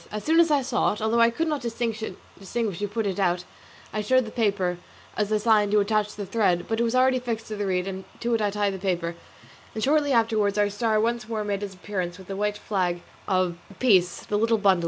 As soon as I saw it, although I could not distinguish who put it out, I showed the paper as a sign to attach the thread, but it was already fixed to the reed, and to it I tied the paper; and shortly afterwards our star once more made its appearance with the white flag of peace, the little bundle.